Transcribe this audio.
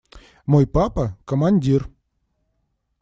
Мой папа – командир.